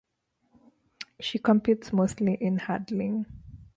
She competes mostly in hurdling.